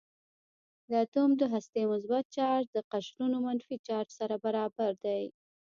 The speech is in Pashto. د اتوم د هستې مثبت چارج د قشرونو منفي چارج سره برابر دی.